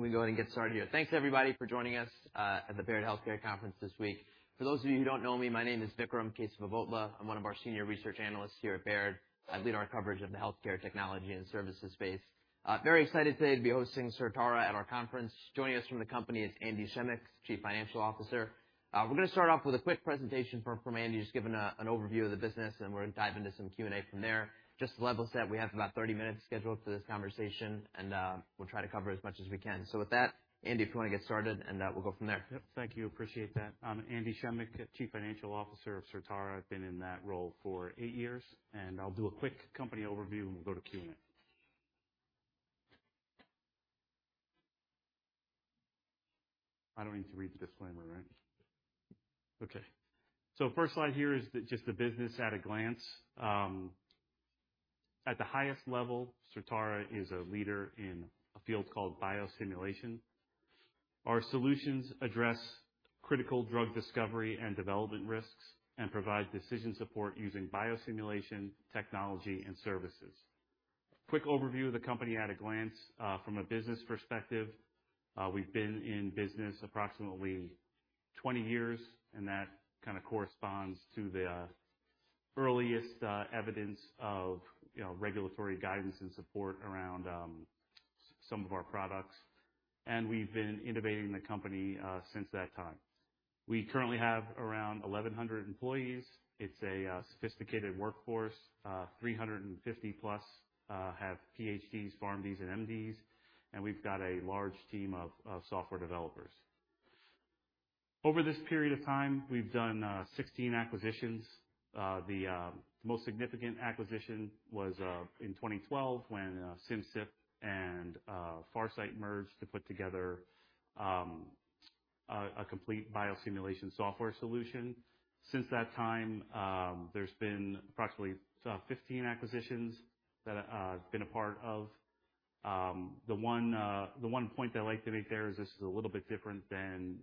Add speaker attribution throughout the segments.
Speaker 1: We can go ahead and get started here. Thanks everybody for joining us at the Baird Healthcare conference this week. For those of you who don't know me, my name is Vikram Kesavabhotla. I'm one of our senior research analysts here at Baird. I lead our coverage of the healthcare technology and services space. Very excited today to be hosting Certara at our conference. Joining us from the company is Andy Schemick, Chief Financial Officer. We're gonna start off with a quick presentation from Andy. He's giving an overview of the business, and we're gonna dive into some Q&A from there. Just to level set, we have about 30 minutes scheduled for this conversation, and we'll try to cover as much as we can. With that, Andy, if you wanna get started and we'll go from there.
Speaker 2: Yep. Thank you. Appreciate that. I'm Andy Schemick, Chief Financial Officer of Certara. I've been in that role for eight years, and I'll do a quick company overview, and we'll go to Q&A. I don't need to read the disclaimer, right? Okay. First slide here is just the business at a glance. At the highest level, Certara is a leader in a field called biosimulation. Our solutions address critical drug discovery and development risks and provide decision support using biosimulation technology and services. Quick overview of the company at a glance. From a business perspective, we've been in business approximately 20 years, and that kinda corresponds to the earliest evidence of, you know, regulatory guidance and support around some of our products. We've been innovating the company since that time. We currently have around 1,100 employees. It's a sophisticated workforce. 350+ have PhDs, PharmDs, and MDs, and we've got a large team of software developers. Over this period of time, we've done 16 acquisitions. The most significant acquisition was in 2012 when Simcyp and Pharsight merged to put together a complete biosimulation software solution. Since that time, there's been approximately 15 acquisitions that I been a part of. The one point I like to make there is this is a little bit different than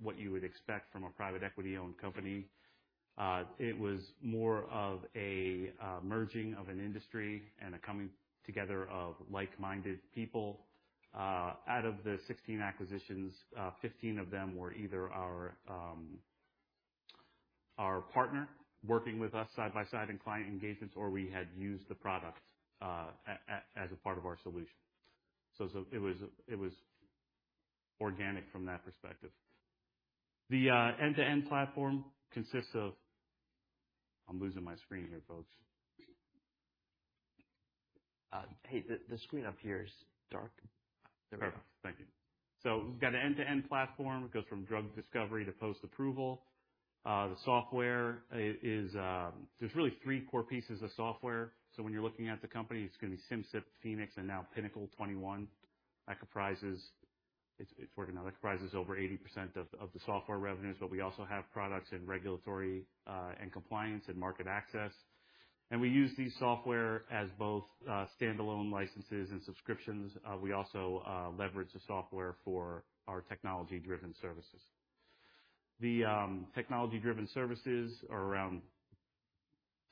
Speaker 2: what you would expect from a private equity-owned company. It was more of a merging of an industry and a coming together of like-minded people. Out of the 16 acquisitions, 15 of them were either our partner working with us side by side in client engagements or we had used the product as a part of our solution. It was organic from that perspective. The end-to-end platform consists of. I'm losing my screen here, folks.
Speaker 1: Hey, the screen up here is dark. There we go.
Speaker 2: Perfect. Thank you. We've got an end-to-end platform. It goes from drug discovery to post-approval. The software is. There's really three core pieces of software. When you're looking at the company, it's gonna be Simcyp, Phoenix, and now Pinnacle 21 that comprises over 80% of the software revenues. We also have products in regulatory, and compliance and market access. We use these software as both, standalone licenses and subscriptions. We also leverage the software for our technology-driven services. The technology-driven services are around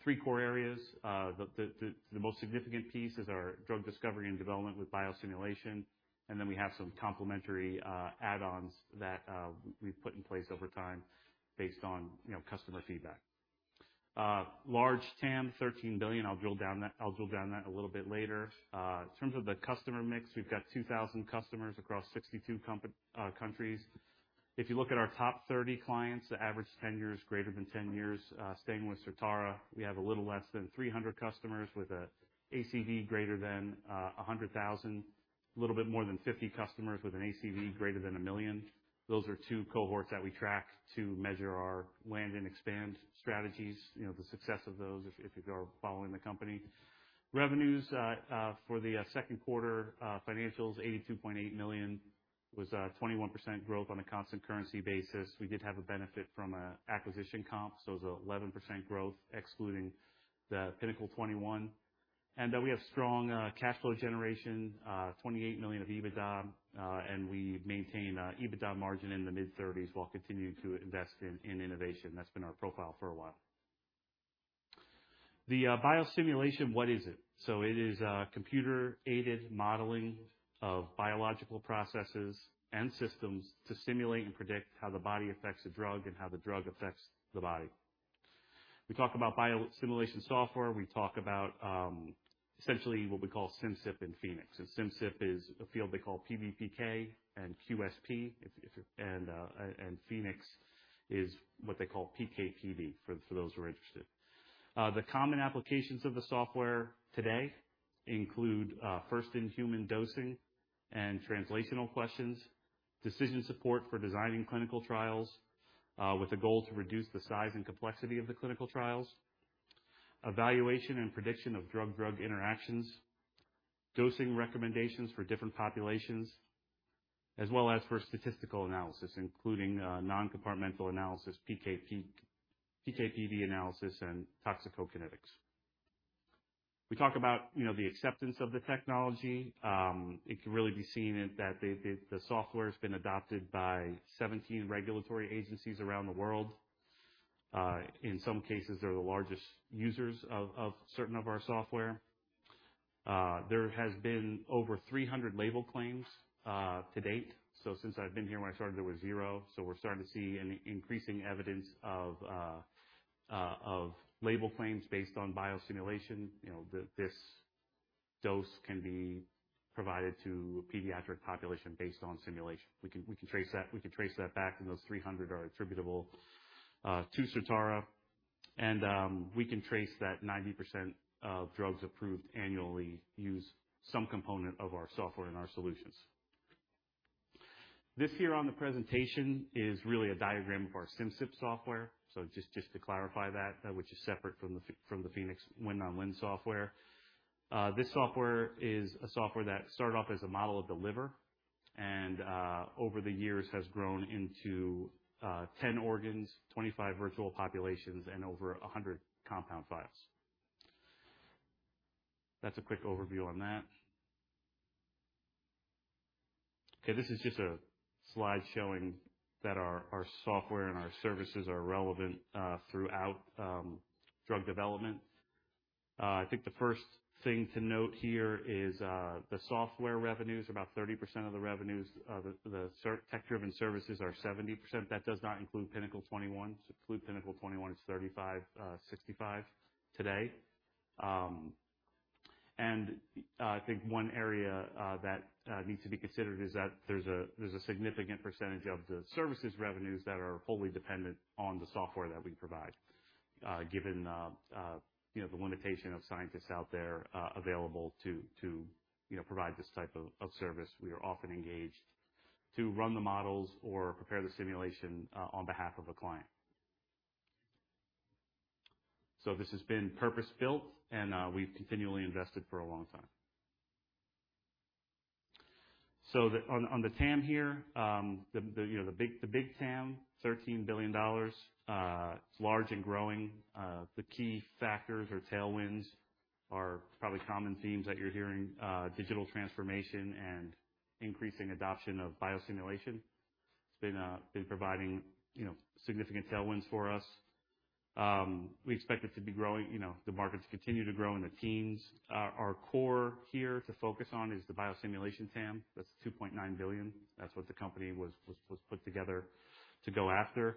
Speaker 2: three core areas. The most significant piece is our drug discovery and development with biosimulation. Then we have some complementary, add-ons that we've put in place over time based on, you know, customer feedback. Large TAM, $13 billion. I'll drill down that a little bit later. In terms of the customer mix, we've got 2,000 customers across 62 countries. If you look at our top 30 clients, the average tenure is greater than 10 years, staying with Certara. We have a little less than 300 customers with an ACV greater than $100,000. Little bit more than 50 customers with an ACV greater than $1 million. Those are two cohorts that we track to measure our land and expand strategies, you know, the success of those if you're following the company. Revenues for the second quarter financials, $82.8 million, was 21% growth on a constant currency basis. We did have a benefit from acquisition comps, so it was 11% growth excluding the Pinnacle 21. We have strong cash flow generation, $28 million of EBITDA, and we maintain an EBITDA margin in the mid-30% while continuing to invest in innovation. That's been our profile for a while. The biosimulation, what is it? It is computer-aided modeling of biological processes and systems to simulate and predict how the body affects the drug and how the drug affects the body. We talk about biosimulation software. We talk about essentially what we call Simcyp and Phoenix. Simcyp is a field they call PBPK and QSP. Phoenix is what they call PKPD for those who are interested. The common applications of the software today include first in human dosing and translational questions, decision support for designing clinical trials with a goal to reduce the size and complexity of the clinical trials, evaluation and prediction of drug-drug interactions, dosing recommendations for different populations, as well as for statistical analysis, including non-compartmental analysis, PKPD analysis, and toxicokinetics. We talk about, you know, the acceptance of the technology. It can really be seen in that the software's been adopted by 17 regulatory agencies around the world. In some cases, they're the largest users of certain of our software. There has been over 300 label claims to date. Since I've been here, when I started, there were zero. We're starting to see an increasing evidence of label claims based on biosimulation. You know, this dose can be provided to pediatric population based on simulation. We can trace that back, and those 300 are attributable to Certara, and we can trace that 90% of drugs approved annually use some component of our software and our solutions. This here on the presentation is really a diagram of our Simcyp software. So just to clarify that, which is separate from the Phoenix WinNonlin software. This software is a software that started off as a model of the liver and over the years has grown into 10 organs, 25 virtual populations, and over 100 compound files. That's a quick overview on that. Okay, this is just a slide showing that our software and our services are relevant throughout drug development. I think the first thing to note here is, the software revenues are about 30% of the revenues. The tech-driven services are 70%. That does not include Pinnacle 21. Include Pinnacle 21, it's 35%, 65% today. I think one area that needs to be considered is that there's a significant percentage of the services revenues that are wholly dependent on the software that we provide. Given you know, the limitation of scientists out there, available to you know, provide this type of service, we are often engaged to run the models or prepare the simulation on behalf of a client. This has been purpose-built, and we've continually invested for a long time. On the TAM here, you know, the big TAM, $13 billion, it's large and growing. The key factors or tailwinds are probably common themes that you're hearing, digital transformation and increasing adoption of biosimulation. It's been providing, you know, significant tailwinds for us. We expect it to be growing, you know, the market to continue to grow in the teens. Our core here to focus on is the biosimulation TAM. That's $2.9 billion. That's what the company was put together to go after.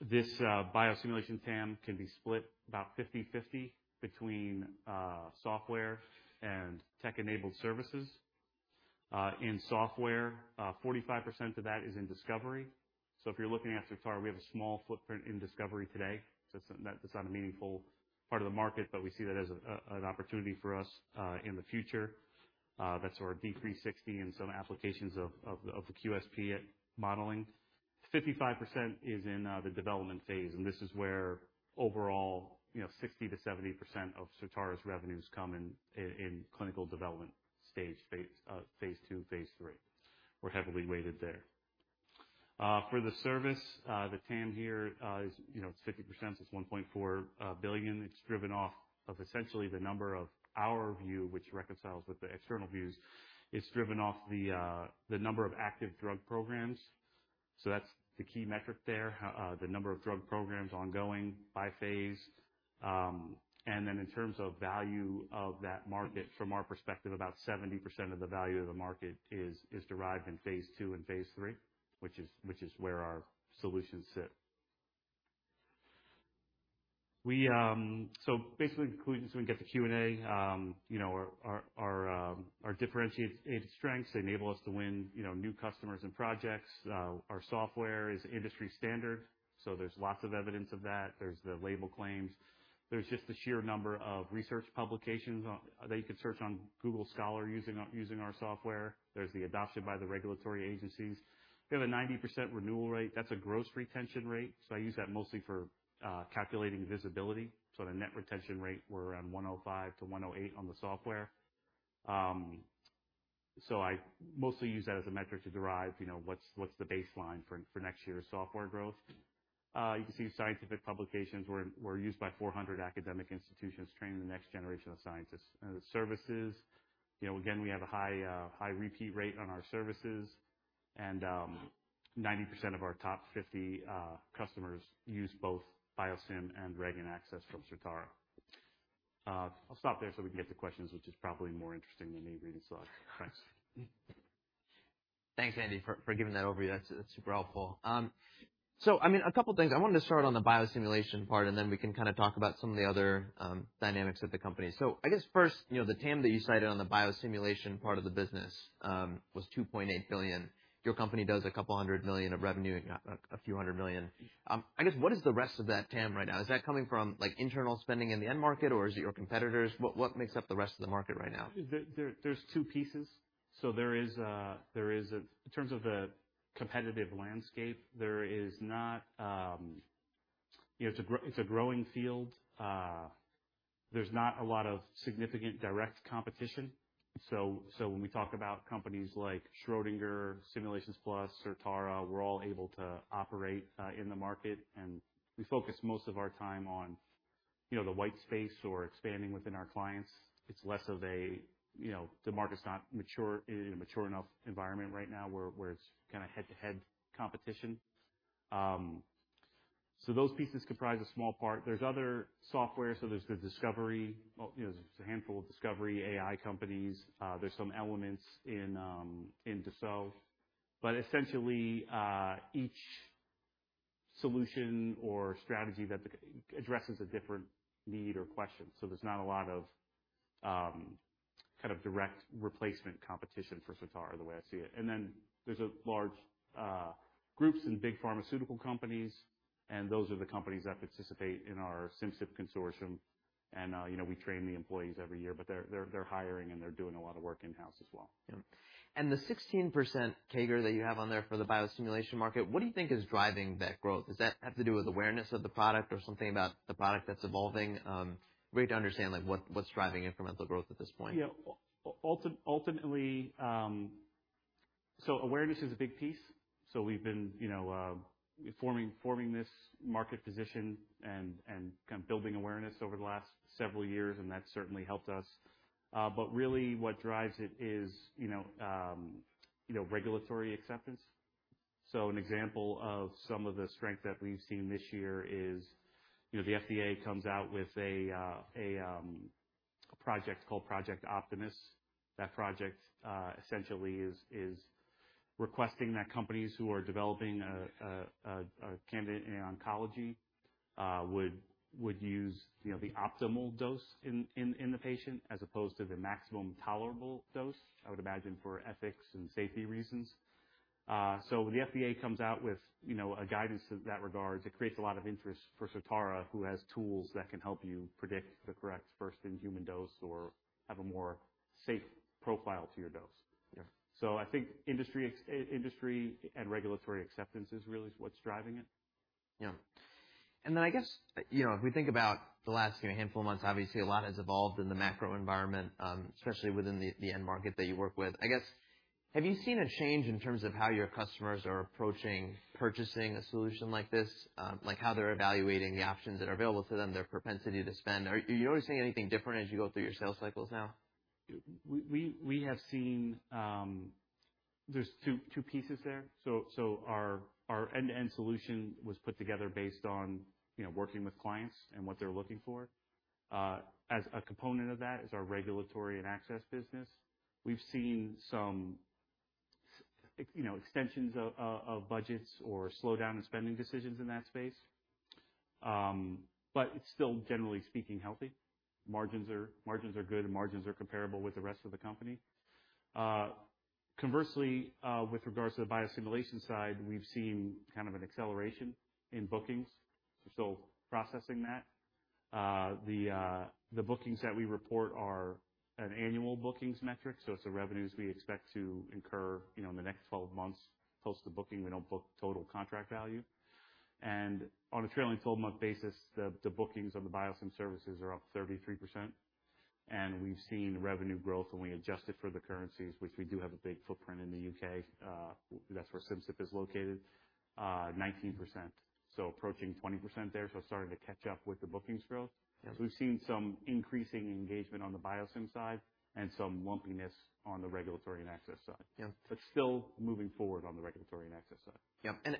Speaker 2: This biosimulation TAM can be split about 50/50 between software and tech-enabled services. In software, 45% of that is in discovery. If you're looking at Certara, we have a small footprint in discovery today. That's not a meaningful part of the market, but we see that as an opportunity for us in the future. That's our D360 and some applications of the QSP modeling. 55% is in the development phase, and this is where overall, you know, 60%-70% of Certara's revenues come in clinical development stage, phase two, phase three. We're heavily weighted there. For the service, the TAM here is, you know, it's 50%, so it's $1.4 billion. It's driven off of essentially the number of our view, which reconciles with the external views. It's driven off the number of active drug programs. That's the key metric there, the number of drug programs ongoing by phase. In terms of value of that market, from our perspective, about 70% of the value of the market is derived in phase II and phase III, which is where our solutions sit. Basically, including this, we can get to Q&A. You know, our differentiated strengths enable us to win, you know, new customers and projects. Our software is industry standard, so there's lots of evidence of that. There's the label claims. There's just the sheer number of research publications on that you can search on Google Scholar using our software. There's the adoption by the regulatory agencies. We have a 90% renewal rate. That's a gross retention rate, so I use that mostly for calculating visibility. The net retention rate, we're around 105%-108% on the software. I mostly use that as a metric to derive, you know, what's the baseline for next year's software growth. You can see scientific publications. We're used by 400 academic institutions training the next generation of scientists. The services, you know, again, we have a high repeat rate on our services. 90% of our top 50 customers use both Biosim and Reg and Access from Certara. I'll stop there so we can get to questions, which is probably more interesting than me reading slides.
Speaker 1: Thanks, Andy, for giving that overview. That's super helpful. I mean, a couple things. I wanted to start on the biosimulation part, and then we can kinda talk about some of the other dynamics of the company. I guess first, you know, the TAM that you cited on the biosimulation part of the business was $2.8 billion. Your company does a couple hundred million of revenue, a few hundred million. I guess what is the rest of that TAM right now? Is that coming from, like, internal spending in the end market, or is it your competitors? What makes up the rest of the market right now?
Speaker 2: There's two pieces. There is in terms of the competitive landscape, there is not. You know, it's a growing field. There's not a lot of significant direct competition. When we talk about companies like Schrödinger, Simulations Plus, Certara, we're all able to operate in the market, and we focus most of our time on. You know, the white space or expanding within our clients, it's less of a, you know, the market's not mature, in a mature enough environment right now where it's kinda head-to-head competition. Those pieces comprise a small part. There's other software, so there's the discovery. Well, you know, there's a handful of discovery AI companies. There's some elements in DMPK. Essentially, each solution or strategy addresses a different need or question. There's not a lot of kind of direct replacement competition for Certara the way I see it. Then there's large groups and big pharmaceutical companies, and those are the companies that participate in our Simcyp consortium. You know, we train the employees every year, but they're hiring and they're doing a lot of work in-house as well.
Speaker 1: Yeah. The 16% CAGR that you have on there for the biosimulation market, what do you think is driving that growth? Does that have to do with awareness of the product or something about the product that's evolving? We need to understand, like, what's driving incremental growth at this point.
Speaker 2: Yeah. Ultimately, awareness is a big piece. We've been, you know, forming this market position and kind of building awareness over the last several years, and that's certainly helped us. Really what drives it is, you know, regulatory acceptance. An example of some of the strength that we've seen this year is the FDA comes out with a project called Project Optimus. That project essentially is requesting that companies who are developing a candidate in oncology would use the optimal dose in the patient as opposed to the maximum tolerable dose, I would imagine for ethics and safety reasons. The FDA comes out with a guidance in that regard. It creates a lot of interest for Certara, who has tools that can help you predict the correct first-in-human dose or have a more safe profile to your dose.
Speaker 1: Yeah.
Speaker 2: I think industry and regulatory acceptance is really what's driving it.
Speaker 1: Yeah. I guess, you know, if we think about the last, you know, handful of months, obviously a lot has evolved in the macro environment, especially within the end market that you work with. I guess, have you seen a change in terms of how your customers are approaching purchasing a solution like this? Like how they're evaluating the options that are available to them, their propensity to spend. Are you noticing anything different as you go through your sales cycles now?
Speaker 2: We have seen. There's two pieces there. Our end-to-end solution was put together based on, you know, working with clients and what they're looking for. As a component of that is our regulatory and access business. We've seen some, you know, extensions of budgets or slowdown in spending decisions in that space. It's still, generally speaking, healthy. Margins are good, and margins are comparable with the rest of the company. Conversely, with regards to the biosimulation side, we've seen kind of an acceleration in bookings. We're still processing that. The bookings that we report are an annual bookings metric, so it's the revenues we expect to incur, you know, in the next 12 months post the booking. We don't book total contract value. On a trailing twelve-month basis, the bookings of the biosim services are up 33%. We've seen revenue growth, and we adjust it for the currencies, which we do have a big footprint in the U.K., that's where Simcyp is located, 19%, so approaching 20% there. Starting to catch up with the bookings growth.
Speaker 1: Yeah.
Speaker 2: We've seen some increasing engagement on the Biosim side and some lumpiness on the regulatory and access side.
Speaker 1: Yeah.
Speaker 2: Still moving forward on the Reg and Access side.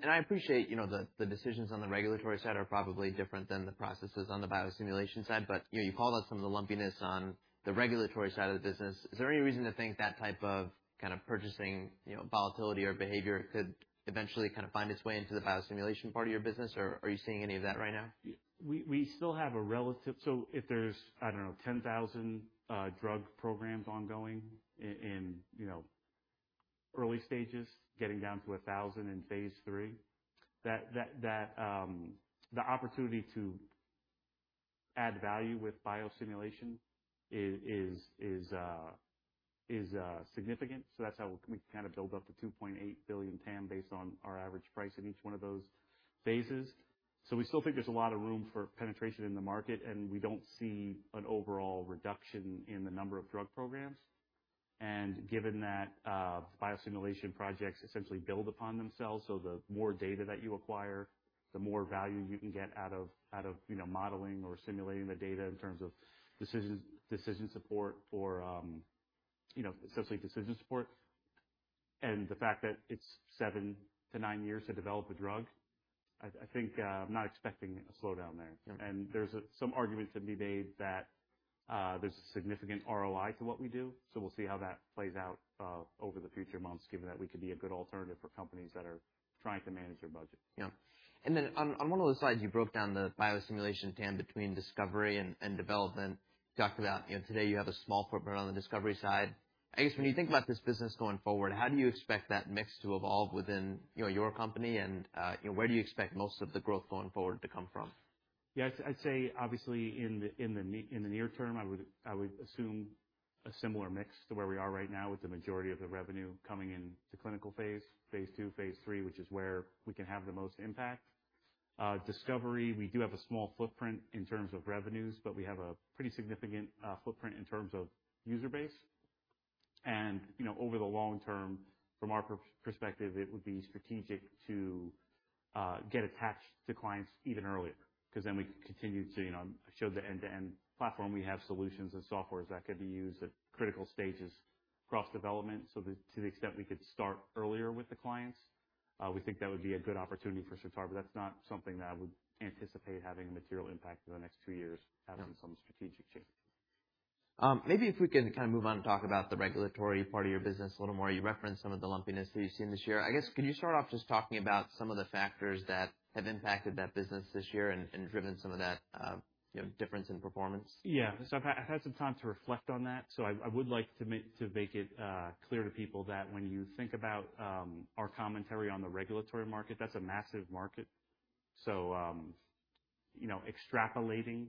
Speaker 1: Yeah. I appreciate, you know, the decisions on the regulatory side are probably different than the processes on the biosimulation side. You know, you called out some of the lumpiness on the regulatory side of the business. Is there any reason to think that type of kind of purchasing, you know, volatility or behavior could eventually kind of find its way into the biosimulation part of your business? Or are you seeing any of that right now?
Speaker 2: So if there's, I don't know, 10,000 drug programs ongoing in, you know, early stages, getting down to 1,000 in phase III, the opportunity to add value with biosimulation is significant. So that's how we kinda build up to $2.8 billion TAM based on our average price in each one of those phases. So we still think there's a lot of room for penetration in the market, and we don't see an overall reduction in the number of drug programs. Given that, biosimulation projects essentially build upon themselves, so the more data that you acquire, the more value you can get out of, you know, modeling or simulating the data in terms of decisions, decision support for, you know, essentially decision support. The fact that it's seven-nine years to develop a drug, I think, I'm not expecting a slowdown there.
Speaker 1: Yeah.
Speaker 2: There's some argument to be made that there's a significant ROI to what we do. We'll see how that plays out over the future months, given that we could be a good alternative for companies that are trying to manage their budget.
Speaker 1: Yeah. On one of the slides, you broke down the biosimulation TAM between discovery and development. Talked about, you know, today you have a small footprint on the discovery side. I guess when you think about this business going forward, how do you expect that mix to evolve within, you know, your company, and where do you expect most of the growth going forward to come from?
Speaker 2: Yes. I'd say obviously in the near term, I would assume a similar mix to where we are right now, with the majority of the revenue coming into clinical phase II, phase III, which is where we can have the most impact. Discovery, we do have a small footprint in terms of revenues, but we have a pretty significant footprint in terms of user base. You know, over the long term, from our perspective, it would be strategic to get attached to clients even earlier, 'cause then we can continue to show the end-to-end platform. We have solutions and softwares that could be used at critical stages across development. To the extent we could start earlier with the clients, we think that would be a good opportunity for Certara. That's not something that I would anticipate having a material impact in the next two years absent some strategic change.
Speaker 1: Maybe if we can kind of move on and talk about the regulatory part of your business a little more. You referenced some of the lumpiness that you've seen this year. I guess, could you start off just talking about some of the factors that have impacted that business this year and driven some of that difference in performance?
Speaker 2: Yeah. I've had some time to reflect on that. I would like to make it clear to people that when you think about our commentary on the regulatory market, that's a massive market. You know, extrapolating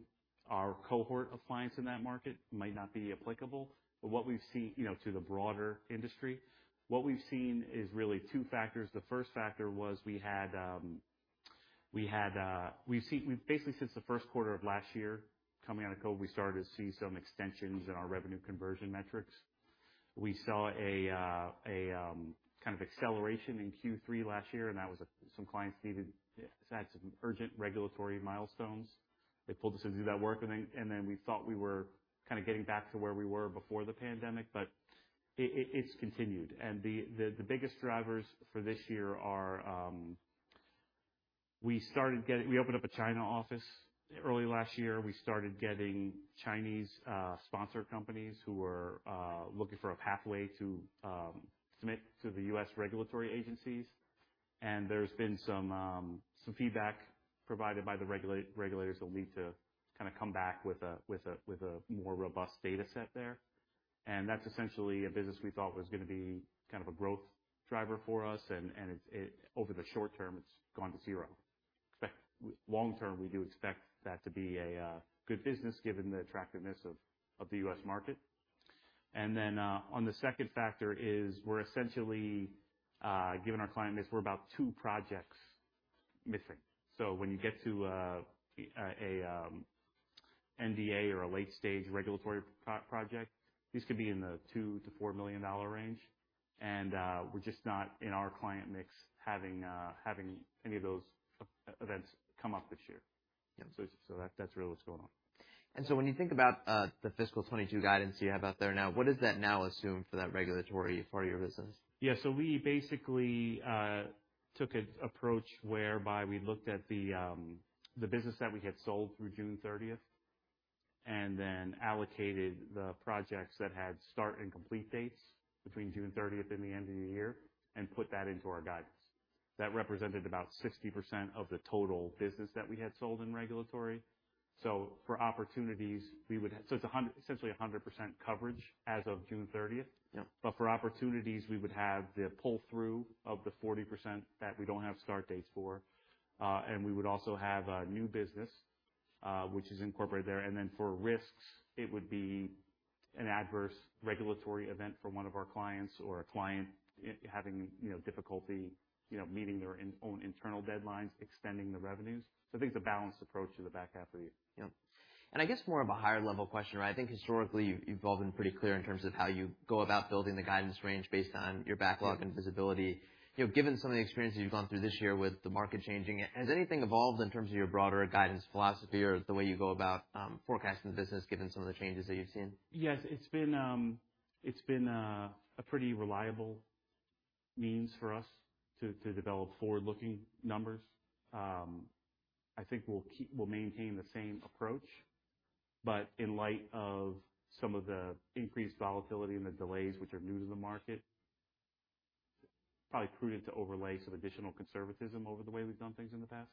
Speaker 2: our cohort of clients in that market might not be applicable. What we've seen, you know, to the broader industry, what we've seen is really two factors. The first factor was we've seen basically, since the first quarter of last year, coming out of COVID, we started to see some extensions in our revenue conversion metrics. We saw a kind of acceleration in Q3 last year, and that was some clients had some urgent regulatory milestones. They pulled us in to do that work, and then we thought we were kind of getting back to where we were before the pandemic, but it's continued. The biggest drivers for this year are we opened up a China office early last year. We started getting Chinese sponsor companies who were looking for a pathway to submit to the U.S. regulatory agencies. There's been some feedback provided by the regulators that we need to kind of come back with a more robust data set there. That's essentially a business we thought was gonna be kind of a growth driver for us and, over the short term, it's gone to zero. Long term, we do expect that to be a good business given the attractiveness of the U.S. market. On the second factor, we're essentially, given our client mix, about two projects missing. When you get to a NDA or a late-stage regulatory project, these could be in the $2 million-$4 million range. We're just not in our client mix having any of those events come up this year.
Speaker 1: Yeah.
Speaker 2: That's really what's going on.
Speaker 1: When you think about the fiscal 2022 guidance you have out there now, what does that now assume for that regulatory part of your business?
Speaker 2: Yeah, we basically took an approach whereby we looked at the business that we had sold through June thirtieth and then allocated the projects that had start and complete dates between June thirtieth and the end of the year and put that into our guidance. That represented about 60% of the total business that we had sold in Regulatory. For opportunities, we would have essentially 100% coverage as of June thirtieth.
Speaker 1: Yeah.
Speaker 2: For opportunities, we would have the pull-through of the 40% that we don't have start dates for. We would also have new business, which is incorporated there. Then for risks, it would be an adverse regulatory event for one of our clients or a client having, you know, difficulty, you know, meeting their own internal deadlines, extending the revenues. I think it's a balanced approach to the back half of the year.
Speaker 1: Yeah. I guess more of a higher level question. I think historically you've all been pretty clear in terms of how you go about building the guidance range based on your backlog and visibility. You know, given some of the experiences you've gone through this year with the market changing, has anything evolved in terms of your broader guidance philosophy or the way you go about forecasting the business given some of the changes that you've seen?
Speaker 2: Yes. It's been a pretty reliable means for us to develop forward-looking numbers. I think we'll maintain the same approach, but in light of some of the increased volatility and the delays which are new to the market, probably prudent to overlay some additional conservatism over the way we've done things in the past.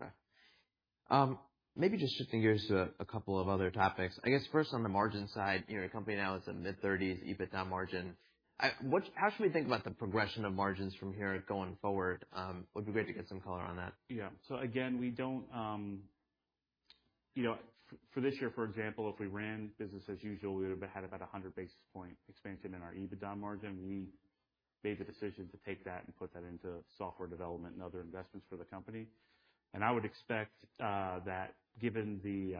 Speaker 1: Yeah. Okay. Maybe just shifting gears to a couple of other topics. I guess first on the margin side, you know, your company now is in mid-30% EBITDA margin. How should we think about the progression of margins from here going forward? It would be great to get some color on that.
Speaker 2: Yeah. Again, we don't. You know, for this year, for example, if we ran business as usual, we would have had about 100 basis points expansion in our EBITDA margin. We made the decision to take that and put that into software development and other investments for the company. I would expect that given the,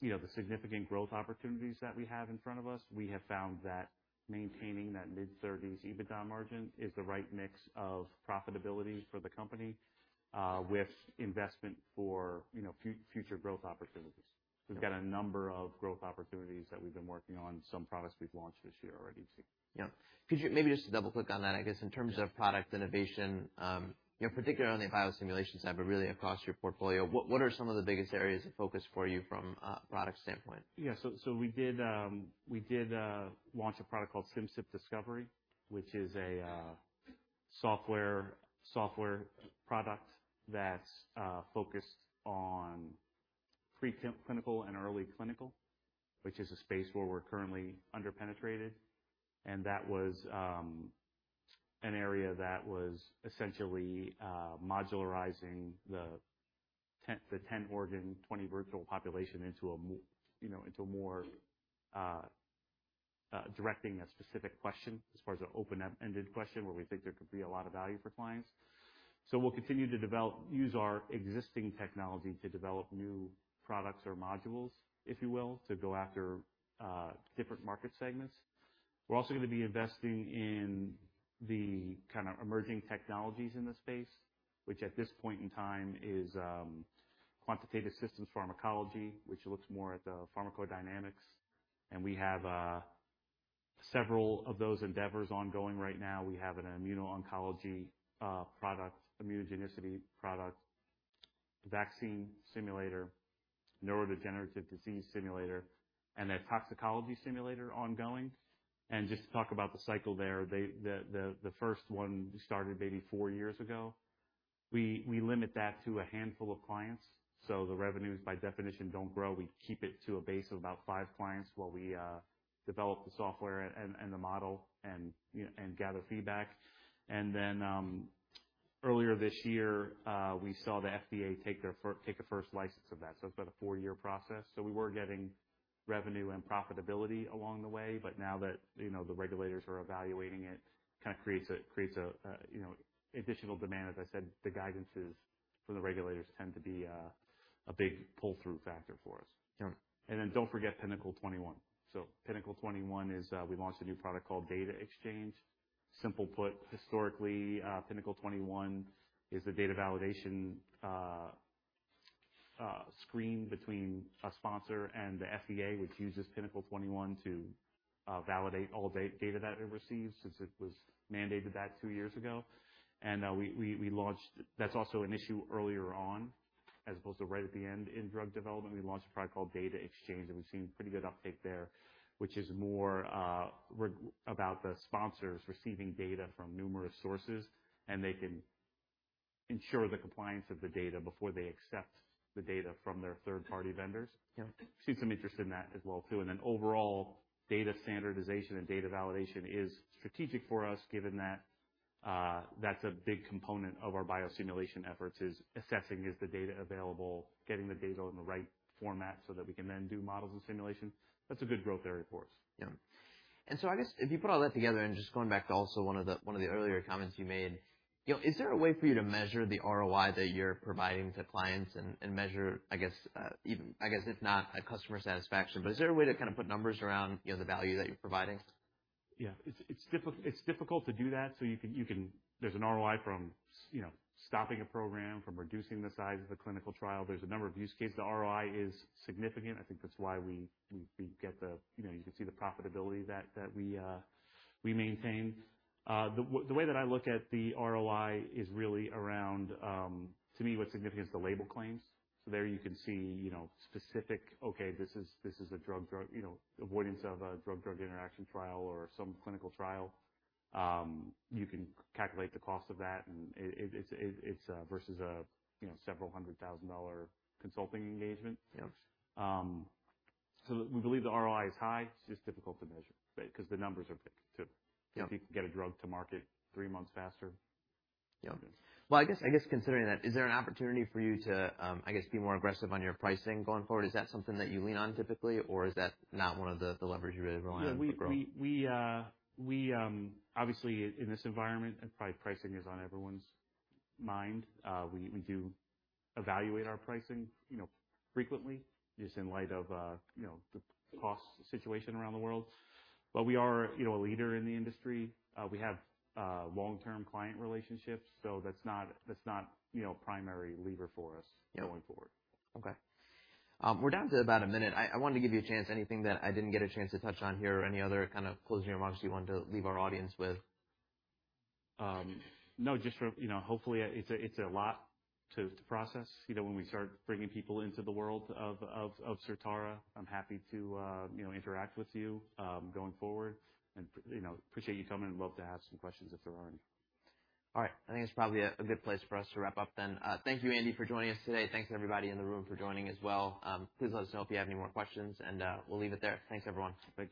Speaker 2: you know, the significant growth opportunities that we have in front of us, we have found that maintaining that mid-30% EBITDA margin is the right mix of profitability for the company, with investment for, you know, future growth opportunities. We've got a number of growth opportunities that we've been working on, some products we've launched this year already.
Speaker 1: Yeah. Could you maybe just double-click on that, I guess, in terms of product innovation, you know, particularly on the biosimulation side, but really across your portfolio, what are some of the biggest areas of focus for you from a product standpoint?
Speaker 2: Yeah. We did launch a product called Simcyp Discovery, which is a software product that's focused on preclinical and early clinical, which is a space where we're currently underpenetrated. That was an area that was essentially modularizing the 10-organ 20-virtual-population you know into a more directed specific question as opposed to an open-ended question, where we think there could be a lot of value for clients. We'll continue to use our existing technology to develop new products or modules, if you will, to go after different market segments. We're also gonna be investing in the kind of emerging technologies in the space, which at this point in time is quantitative systems pharmacology, which looks more at the pharmacodynamics. We have several of those endeavors ongoing right now. We have an immuno-oncology product, immunogenicity product, vaccine simulator, neurodegenerative disease simulator, and a toxicology simulator ongoing. Just to talk about the cycle there, the first one started maybe four years ago. We limit that to a handful of clients, so the revenues by definition don't grow. We keep it to a base of about five clients while we develop the software and the model and, you know, and gather feedback. Then, earlier this year, we saw the FDA take the first license of that, so it's about a four-year process. We were getting revenue and profitability along the way, but now that, you know, the regulators are evaluating it, kinda creates an additional demand. As I said, the guidances for the regulators tend to be a big pull-through factor for us.
Speaker 1: Yeah.
Speaker 2: Don't forget Pinnacle 21. Pinnacle 21 is, we launched a new product called Data Exchange. Simply put, historically, Pinnacle 21 is the data validation screen between a sponsor and the FDA, which uses Pinnacle 21 to validate all data that it receives, since it was mandated two years ago. That's also an issue earlier on, as opposed to right at the end in drug development. We launched a product called Data Exchange, and we've seen pretty good uptake there, which is more about the sponsors receiving data from numerous sources, and they can ensure the compliance of the data before they accept the data from their third-party vendors.
Speaker 1: Yeah.
Speaker 2: See some interest in that as well too. Overall, data standardization and data validation is strategic for us, given that's a big component of our biosimulation efforts, is assessing the data available, getting the data in the right format so that we can then do modeling and simulation. That's a good growth area for us.
Speaker 1: Yeah. I guess if you put all that together, and just going back to also one of the earlier comments you made, you know, is there a way for you to measure the ROI that you're providing to clients and measure, I guess, even, I guess, if not customer satisfaction, but is there a way to kinda put numbers around, you know, the value that you're providing?
Speaker 2: Yeah. It's difficult to do that, so you can. There's an ROI from, you know, stopping a program, from reducing the size of a clinical trial. There's a number of use cases. The ROI is significant. I think that's why. You know, you can see the profitability that we maintain. The way that I look at the ROI is really around, to me, what's significant is the label claims. There you can see, you know, specific, okay, this is, you know, avoidance of a drug-drug interaction trial or some clinical trial. You can calculate the cost of that, and it's a versus a, you know, several hundred thousand dollar consulting engagement.
Speaker 1: Yeah.
Speaker 2: We believe the ROI is high. It's just difficult to measure, right? 'Cause the numbers are big.
Speaker 1: Yeah.
Speaker 2: If you can get a drug to market three months faster.
Speaker 1: Yeah. Well, I guess considering that, is there an opportunity for you to, I guess, be more aggressive on your pricing going forward? Is that something that you lean on typically, or is that not one of the levers you really rely on for growth?
Speaker 2: Yeah. We obviously in this environment, probably pricing is on everyone's mind. We do evaluate our pricing, you know, frequently, just in light of, you know, the cost situation around the world. We are, you know, a leader in the industry. We have long-term client relationships, so that's not, you know, primary lever for us.
Speaker 1: Yeah.
Speaker 2: going forward.
Speaker 1: Okay. We're down to about a minute. I wanted to give you a chance, anything that I didn't get a chance to touch on here or any other kind of closing remarks you wanted to leave our audience with?
Speaker 2: No, just for, you know, hopefully it's a lot to process, you know, when we start bringing people into the world of Certara. I'm happy to, you know, interact with you going forward. You know, appreciate you coming and love to have some questions if there are any.
Speaker 1: All right. I think it's probably a good place for us to wrap up then. Thank you, Andy, for joining us today. Thanks everybody in the room for joining as well. Please let us know if you have any more questions, and we'll leave it there. Thanks, everyone.
Speaker 2: Thanks.